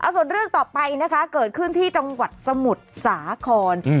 ส่วนเรื่องต่อไปนะคะเกิดขึ้นที่จังหวัดสมุทรสาคร